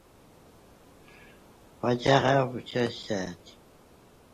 He is also a Fellow of Saint Edmund Hall, Oxford.